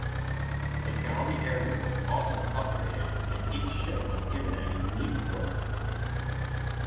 The galley area was also upgraded and each ship was given a unique look.